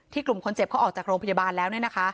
กลุ่มคนเจ็บเขาออกจากโรงพยาบาลแล้ว